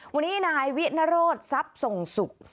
วันนี้นายวิทย์นโรศัพท์ส่งสุข